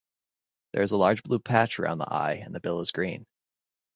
There is a large blue patch around the eye and the bill is green.